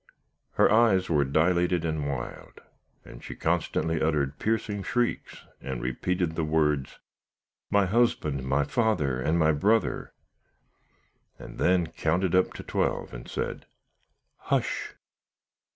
Her eyes were dilated and wild, and she constantly uttered piercing shrieks, and repeated the words, 'My husband, my father, and my brother!' and then counted up to twelve, and said, 'Hush!'